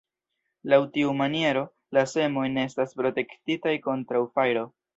Laŭ tiu maniero, la semojn estas protektitaj kontraŭ fajro.